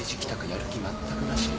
やる気全くなし。